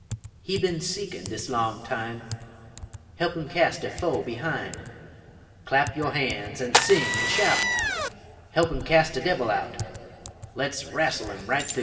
He bin "seekin'" dis long time, He'p him cas' de foe behime, Clap yo' han's an' sing an' shout, He'p him cas' de debil out, Le's wrassel him right thu.